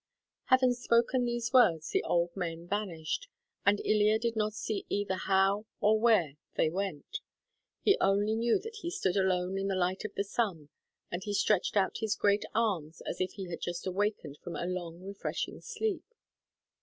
Having spoken these words, the old men vanished, and Ilya did not see either how or where they went. He only knew that he stood alone in the light of the sun, and he stretched out his great arms as if he had just awakened from a long refreshing sleep.